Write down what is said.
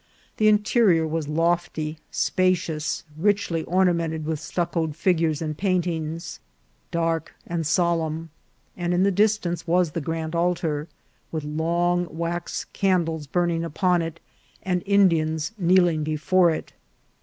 The interior was lofty, spacious, rich ly ornamented with stuccoed figures and paintings, dark and solemn, and in the distance was the grand altar, with long wax candles burning upon it, and Indians kneeling before it.